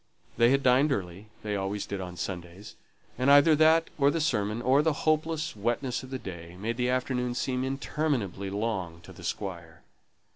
They had dined early; they always did on Sundays; and either that, or the sermon, or the hopeless wetness of the day, made the afternoon seem interminably long to the Squire.